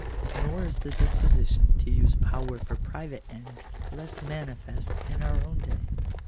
Nor is the disposition to use power for private ends less manifest in our own day.